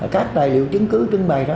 các tài liệu chứng cứ trưng bày ra